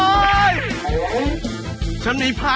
ก้าวเกอร์เซปล่อยชู้ตู้เจ้าของเรา